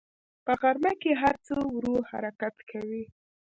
په غرمه کې هر څه ورو حرکت کوي